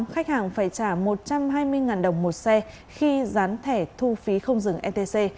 khách hàng phải trả một trăm hai mươi đồng một xe khi gián thẻ thu phí không dừng etc